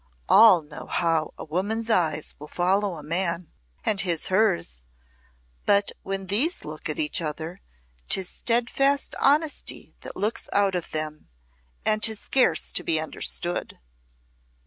All know how a woman's eyes will follow a man, and his hers, but when these look at each other 'tis steadfast honesty that looks out of them and 'tis scarce to be understood."